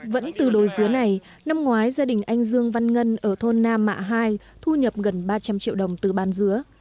vẫn từ đồi dứa này năm ngoái gia đình anh dương văn ngân ở thôn nam mạ hai thu nhập gần ba trăm linh triệu đồng từ bán dứa